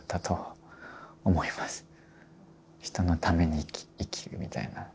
人のために生きるみたいな。